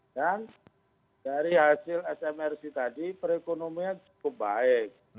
dan dari hasil smrc tadi perekonomian cukup baik